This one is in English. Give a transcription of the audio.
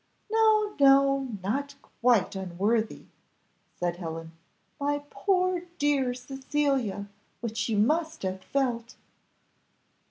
"No, no, not quite unworthy," said Helen; "my poor dear Cecilia, what you must have felt!"